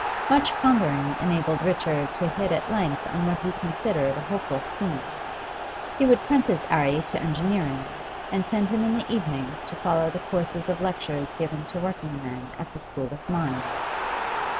Much pondering enabled Richard to hit at length on what he considered a hopeful scheme; he would apprentice 'Arry to engineering, and send him in the evenings to follow the courses of lectures given to working men at the School of Mines.